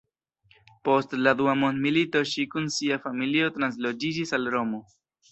Post la dua mondmilito ŝi kun sia familio transloĝiĝis al Romo.